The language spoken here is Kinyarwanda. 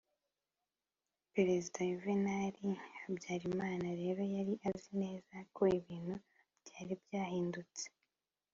perezida yuvenali habyarimana rero yari azi neza ko ibintu byari byahindutse.